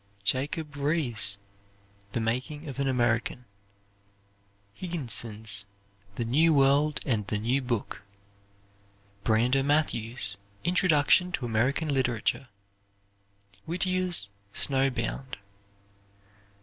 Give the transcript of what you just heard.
Jacob Riis' "The Making of An American." Higginson's "The New World and the New Book." Brander Matthews' "Introduction to American Literature." Whittier's "Snow Bound."